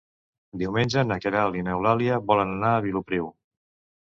Diumenge na Queralt i n'Eulàlia volen anar a Vilopriu.